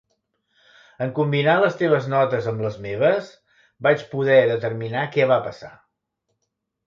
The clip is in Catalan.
En combinar les teves notes amb les meves, vaig poder determinar què va passar.